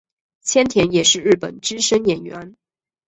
千田是也是日本资深演员。